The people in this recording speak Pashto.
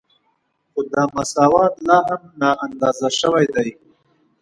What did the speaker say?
خو دا مساوات لا هم نااندازه شوی دی